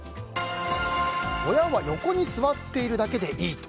親は横に座っているだけでいいと。